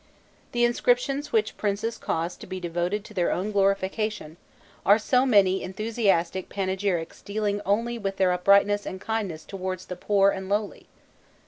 The inscriptions which princes caused to be devoted to their own glorification, are so many enthusiastic panegyrics dealing only with their uprightness and kindness towards the poor and lowly.